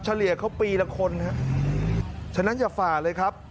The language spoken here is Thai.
เลี่ยเขาปีละคนฮะฉะนั้นอย่าฝ่าเลยครับ